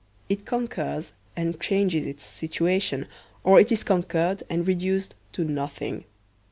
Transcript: It conquers and changes its situation, or it is conquered and reduced to nothing.